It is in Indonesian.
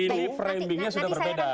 ini framingnya sudah berbeda